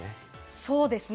そうですね。